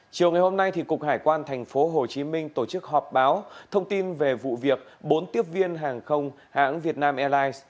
chiều ngày hôm nay cục hải quan tp hcm tổ chức họp báo thông tin về vụ việc bốn tiếp viên hàng không hãng vietnam airlines